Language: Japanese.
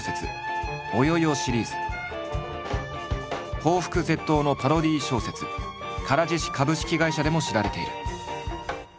抱腹絶倒のパロディー小説「唐獅子株式会社」でも知られている。